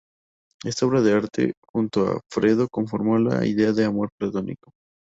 Esta obra, junto al "Fedro", conformó la idea de "amor platónico".